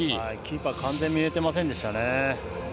キーパー完全に見えていませんでした。